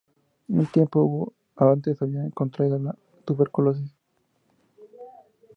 Un tiempo antes había contraído la tuberculosis.